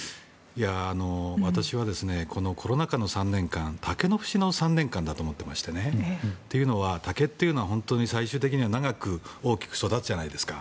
私はこのコロナ禍の３年間竹の節の３年間だと思ってましてねというのは竹というのは本当に最終的には長く大きく育つじゃないですか。